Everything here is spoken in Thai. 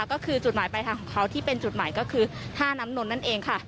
ก็คือจุดหมายปลายทางของเขาที่เป็นจุดหมายก็คือท่าน้ำนนท์นั่นเองค่ะ